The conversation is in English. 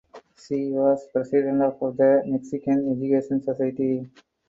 She was president of the Mexican Education Society.